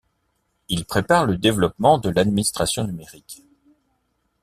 Il prépare le développement de l’administration numérique.